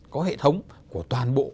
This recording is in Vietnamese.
có hệ thống của toàn bộ